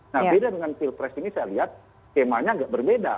nah beda dengan pilpres ini saya lihat skemanya agak berbeda